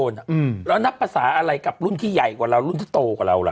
แล้วนับภาษาอะไรกับรุ่นที่ใหญ่กว่าเรารุ่นที่โตกว่าเราล่ะ